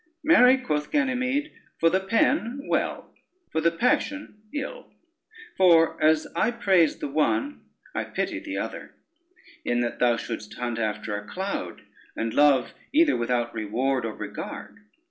"Marry," quoth Ganymede, "for the pen well, for the passion ill; for as I praise the one, I pity the other, in that thou shouldst hunt after a cloud, and love either without reward or regard."